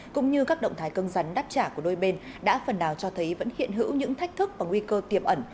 cũng như các động thái cân rắn đáp trả của đôi bên đã phần nào cho thấy vẫn hiện hữu những thách thức và nguy cơ tiềm ẩn